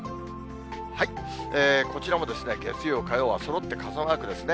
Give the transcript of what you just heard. こちらもですね、月曜、火曜はそろって傘マークですね。